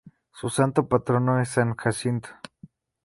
Su santo patrono es san Jacinto.